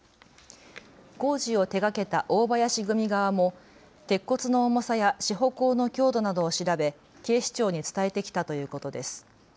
工事を手がけた大林組側も鉄骨の重さや支保工の強度などを調べ、警視庁に伝えてきたということです。